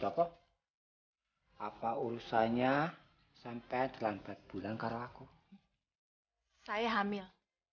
cokok apa urusannya sampai dalam empat bulan karo aku saya hamil